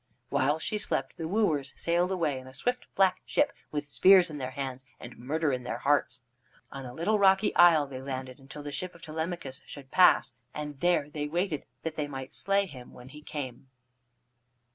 While she slept the wooers sailed away in a swift, black ship, with spears in their hands and murder in their hearts. On a little rocky isle they landed until the ship of Telemachus should pass, and there they waited, that they might slay him when he came.